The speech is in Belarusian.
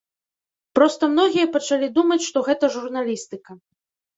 Проста многія пачалі думаць, што гэта журналістыка.